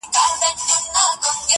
له څپو څخه د امن و بېړۍ ته-